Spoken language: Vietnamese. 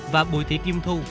và bùi thị kim thu